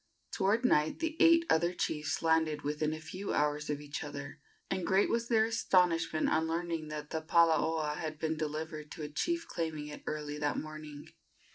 Toward night the eight other chiefs landed within a few hours of each other, and great was their astonishment on learning that the palaoa had been delivered to a chief claiming it early that morning.